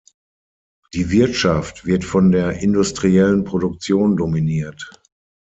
Die Wirtschaft wird von der industriellen Produktion dominiert.